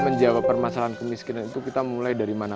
menjawab permasalahan kemiskinan itu kita mulai dari mana